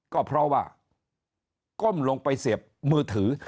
ก็เพราะว่าก้มลงไปเสียบมือถือ